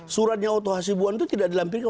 suratnya otohasibuan itu tidak dilampirkan